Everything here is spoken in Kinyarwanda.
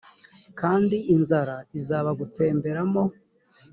kandi inzara izabagutsemberamo